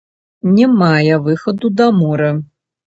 Не мае выхаду да мора.